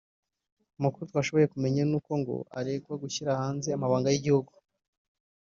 Amakuru twashoboye kumenya n’uko ngo aregwa gushyira hanze amabanga y’igihugu